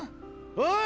おい！